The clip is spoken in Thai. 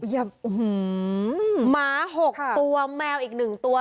หมา๖ตัวแมวอีก๑ตัว